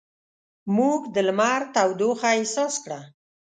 موږ د لمر تودوخه احساس کړه.